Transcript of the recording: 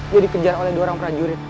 dia dikejar oleh dua orang prajurit